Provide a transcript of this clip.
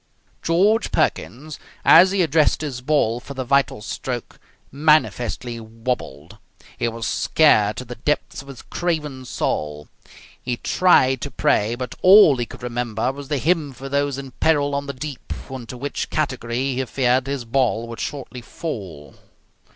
George Perkins, as he addressed his ball for the vital stroke, manifestly wabbled. He was scared to the depths of his craven soul. He tried to pray, but all he could remember was the hymn for those in peril on the deep, into which category, he feared, his ball would shortly fall.